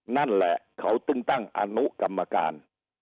นั่นแหละเขาต้องตั้งอนุกรรมการ